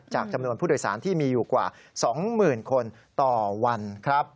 จำนวนผู้โดยสารที่มีอยู่กว่า๒๐๐๐คนต่อวันครับ